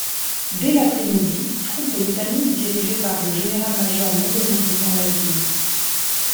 Dès l'après-midi, troupes britanniques dirigés par le général-major Montgomery dans la ville.